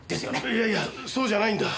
いやいやそうじゃないんだ。